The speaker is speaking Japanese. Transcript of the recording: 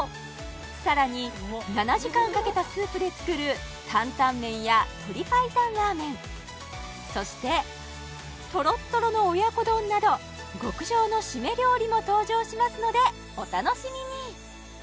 さらに７時間かけたスープで作る担々麺や鶏白湯ラーメンそしてとろっとろの親子丼など極上の締め料理も登場しますのでお楽しみに！